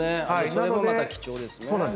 それもまた貴重ですね。